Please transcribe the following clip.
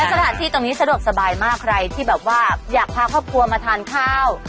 สถานที่ตรงนี้สะดวกสบายมากใครที่แบบว่าอยากพาครอบครัวมาทานข้าว